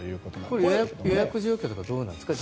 これ、予約状況とかはどうなってるんですか？